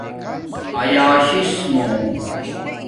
ایاشس مُو